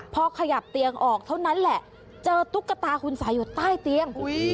พอขยับเตียงออกเท่านั้นแหละเจอตุ๊กตาคุณสัยอยู่ใต้เตียง